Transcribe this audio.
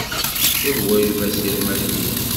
D lwaǧeb asirem ad yili